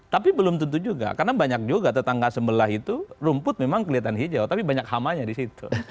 tapi belum tentu juga karena banyak juga tetangga sebelah itu rumput memang kelihatan hijau tapi banyak hamanya di situ